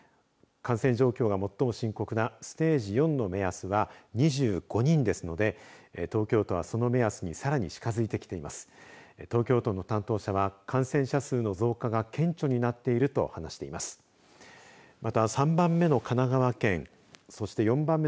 感染状況が最も深刻なステージ４の目安は２５人ですので東京都は、その目安にさらに近づいてきています。